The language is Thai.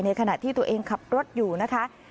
ขณะที่ตัวเองขับรถอยู่นะคะ